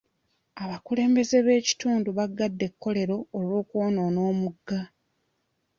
Abakulembeze b'ekitundu baggadde ekkolero olw'okwonoona omugga.